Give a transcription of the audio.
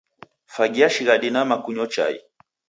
Fagia shighadi nama kunyo chai